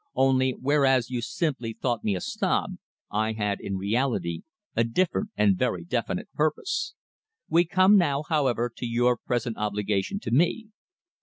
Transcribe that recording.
Only, whereas you simply thought me a snob, I had in reality a different and very definite purpose. We come now, however, to your present obligation to me.